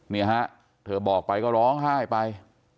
นี่ฮะเธอบอกไปก็ร้องไห้ไป